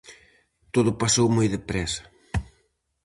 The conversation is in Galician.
Todo pasou moi de présa.